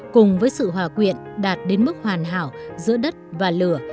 cùng với sự hòa quyện đạt đến mức hoàn hảo giữa đất và lửa